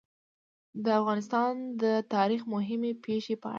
د افغانستان د تاریخ د مهمې پېښې په اړه.